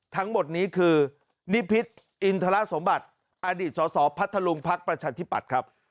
ทั้งหมดนี้คือนิพิษอินทรสมบัติอดีตสสพัทธลุงพักประชาธิปัตย์ครับ